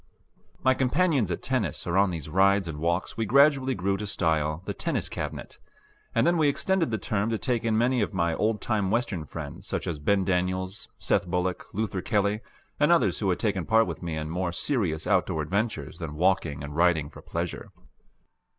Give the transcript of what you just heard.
My companions at tennis or on these rides and walks we gradually grew to style the Tennis Cabinet; and then we extended the term to take in many of my old time Western friends such as Ben Daniels, Seth Bullock, Luther Kelly, and others who had taken part with me in more serious outdoor adventures than walking and riding for pleasure.